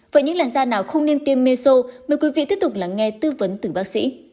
vậy những làn da nào không nên tiêm meso mời quý vị tiếp tục lắng nghe tư vấn từ bác sĩ